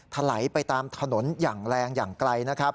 ถลายไปตามถนนอย่างแรงอย่างไกล